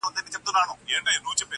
بوډا په ټولو کي پردی سړی لیدلای نه سو؛